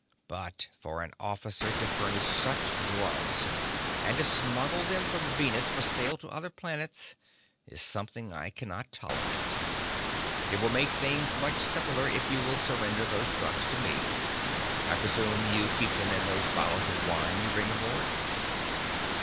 But for an officer to furnish such drugs and to smuggle them from Venus for sale to other planets is something I cannot tolerate. It will make things much simpler if you will surrender those drugs to me. I presume you keep them in those bottles of wine you bring aboard?"